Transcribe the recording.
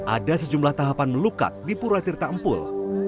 ada sejumlah tahapan melukat di purwakarta empul